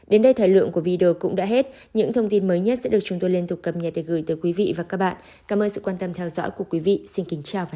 đến đây thời lượng của video cũng đã hết những thông tin mới nhất sẽ được chúng tôi liên tục cập nhật để gửi tới quý vị và các bạn cảm ơn sự quan tâm theo dõi của quý vị xin kính chào và hẹn gặp lại